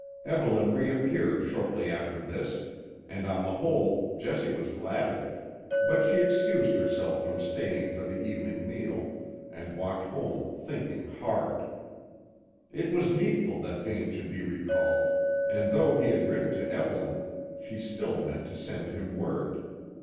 Evelyn reappeared shortly after this, and on the whole Jessie was glad of it, but she excused herself from staying for the evening meal, and walked home thinking hard. It was needful that Vane should be recalled, and though he had written to Evelyn, she still meant to send him word.